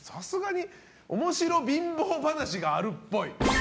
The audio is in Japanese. おもしろ貧乏話があるっぽい。